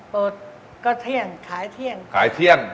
เปิดก็เที่ยงขายเที่ยง